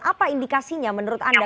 apa indikasinya menurut anda